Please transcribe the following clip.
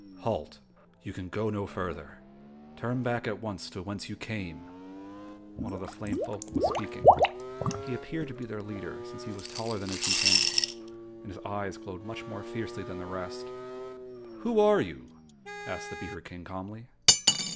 "Halt! You can go no further. Turn back at once to whence you came." One of the flame folk was speaking. He appeared to be their leader, since he was taller than his companions and his eyes glowed much more fiercely than the rest. "Who are you?" asked the beaver King calmly.